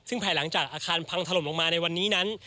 ซึ่งภายหลังจากอาคารพังถล่มลงมาในวันนี้นั้น